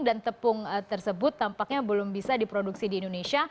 dan tepung tersebut tampaknya belum bisa diproduksi di indonesia